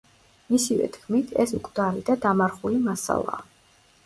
მისივე თქმით, ეს მკვდარი და დამარხული მასალაა.